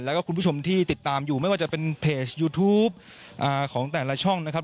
แล้วก็คุณผู้ชมที่ติดตามอยู่ไม่ว่าจะเป็นเพจยูทูปของแต่ละช่องนะครับ